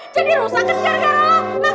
jadi rusak kan gara gara lo